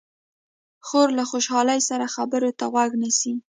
خور له خوشحالۍ سره خبرو ته غوږ نیسي.